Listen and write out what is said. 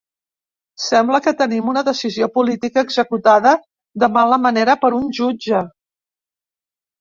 Sembla que tenim una decisió política executada –de mala manera- per una jutge.